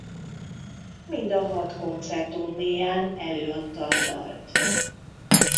Mind a hat koncertturnéján előadta a dalt.